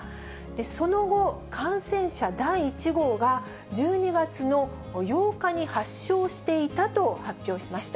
その後、感染者第１号が１２月の８日に発症していたと発表しました。